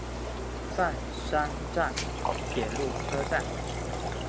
饭山站铁路车站。